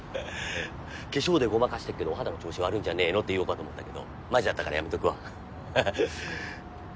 化粧でごまかしてっけどお肌の調子悪いんじゃねぇのって言おうかと思ったけどマジだったからやめとくわははっ。